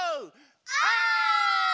オ！